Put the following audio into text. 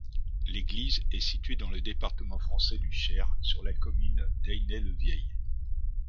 L'église est située dans le département français du Cher, sur la commune d'Ainay-le-Vieil.